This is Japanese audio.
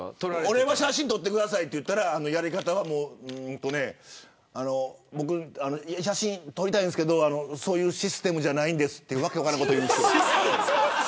俺は写真撮ってくださいと言われたら写真、撮りたいんですけどそういうシステムじゃないんですと訳分からないことを言う。